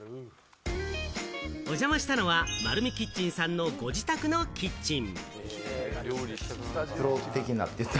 お邪魔したのは、まるみキッチンさんのご自宅のキッチン。